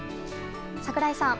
櫻井さん。